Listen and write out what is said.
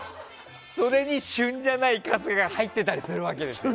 それに旬じゃない春日が入ってたりするわけですよ。